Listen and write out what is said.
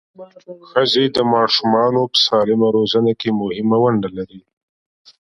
ښځې د ماشومانو په سالمه روزنه کې مهمه ونډه لري.